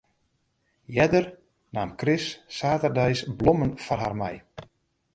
Earder naam Chris saterdeis blommen foar har mei.